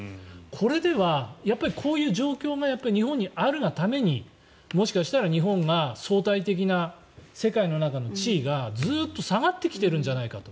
これではやっぱりこういう状況が日本にあるがためにもしかしたら日本が相対的な世界の中の地位がずっと下がってきてるんじゃないかと。